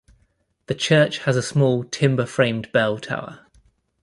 The church has a small, timber-framed bell tower.